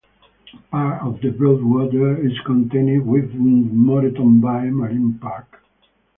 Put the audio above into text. Part of the Broadwater is contained within the Moreton Bay Marine Park.